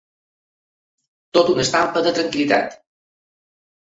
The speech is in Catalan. Tota una estampa de tranquil·litat.